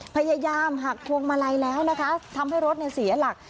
พยายามหักพวงมาลัยแล้วนะคะทำให้รถเสียหลัก